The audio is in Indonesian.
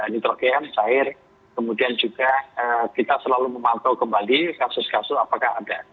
nitrogen cair kemudian juga kita selalu memantau kembali kasus kasus apakah ada